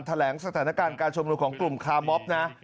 แถลงสถานการณ์การชุมนุมของกลุ่มคาร์มอบนะ